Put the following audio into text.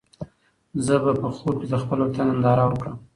زه به په خوب کې د خپل وطن ننداره وکړم.